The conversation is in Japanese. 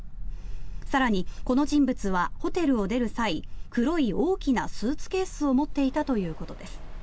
更に、この人物はホテルを出る際黒い大きなスーツケースを持っていたということです。